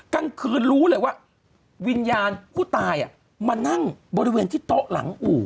กลางคืนรู้เลยว่าวิญญาณผู้ตายมานั่งบริเวณที่โต๊ะหลังอู่